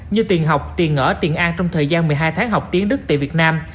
như tiền học tiền ở tiền an trong thời gian một mươi hai tháng học tiếng đức tại việt nam